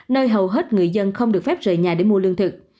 nơi hầu hết người dân không được phép rời nhà để mua lương thực